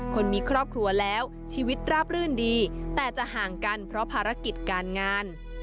คนมีครอบครัวแล้วชีวิตราบรื่นดีแต่จะห่างกันเพราะภารกิจการงาน